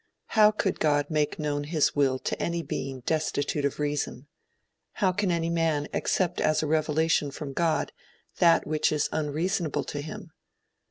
How could God make known his will to any being destitute of reason? How can any man accept as a revelation from God that which is unreasonable to him?